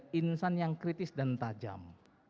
insan yang kritis dan tajam